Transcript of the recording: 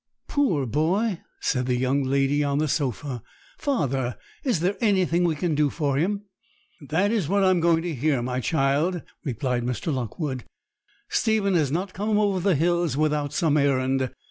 'Poor boy!' said the young lady on the sofa. 'Father, is there anything we can do for him?' 'That is what I am going to hear, my child,' replied Mr. Lockwood. 'Stephen has not come over the hills without some errand.